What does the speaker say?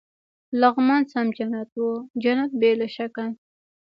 لغمان سم جنت و، جنت بې له شکه.